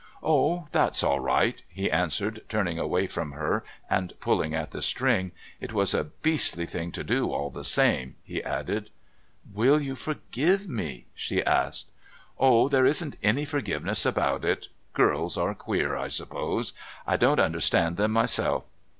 "Oh, that's all right," he answered, turning away from her and pulling at the string. "It was a beastly thing to do all the same," he added. "Will you forgive me?" she asked. "Oh, there isn't any forgiveness about it. Girls are queer, I suppose. I don't understand them myself.